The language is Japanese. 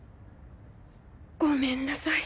ごめんなさい。